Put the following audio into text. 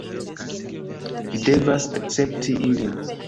Vi devas akcepti ilin